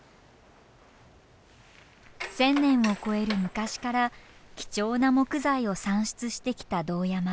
千年を超える昔から貴重な木材を産出してきた堂山。